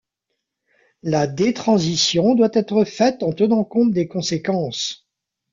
La détransition doit être faite en tenant compte des conséquences.